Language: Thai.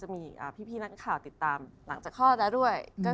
มีพี่ค่าติดตามหลังจากคอดด้วย